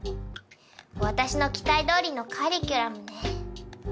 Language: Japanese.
私の期待どおりのカリキュラムね。